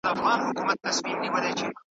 یو ځل مي جهان ته وکتل او بیا مي .